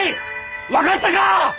分かったか！